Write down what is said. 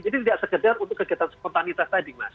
jadi tidak sekedar untuk kegiatan spontanitas tadi mas